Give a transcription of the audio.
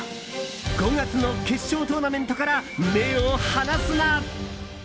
５月の決勝トーナメントから目を離すな！